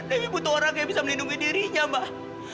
demi butuh orang yang bisa melindungi dirinya mbak